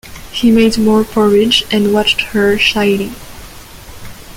He made more porridge and watched her shyly.